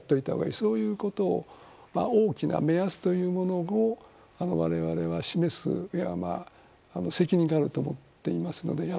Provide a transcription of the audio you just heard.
そういう大きな目安というものを我々は示す責任があると思っていますので。